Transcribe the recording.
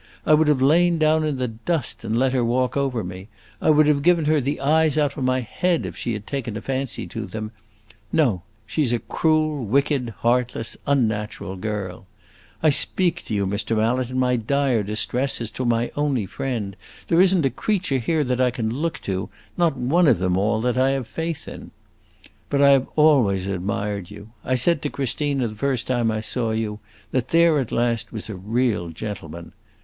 I would have lain down in the dust and let her walk over me; I would have given her the eyes out of my head, if she had taken a fancy to them. No, she 's a cruel, wicked, heartless, unnatural girl! I speak to you, Mr. Mallet, in my dire distress, as to my only friend. There is n't a creature here that I can look to not one of them all that I have faith in. But I always admired you. I said to Christina the first time I saw you that there at last was a real gentleman.